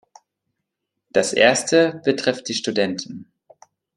Das erste betrifft die Studenten.